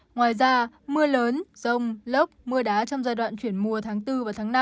ngoài ra mưa lớn rông lốc mưa đá trong giai đoạn chuyển mùa tháng bốn và tháng năm